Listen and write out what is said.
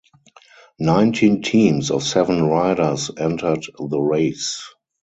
Nineteen teams of seven riders entered the race.